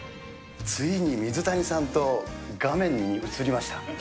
ついに水谷さんと画面に映りました。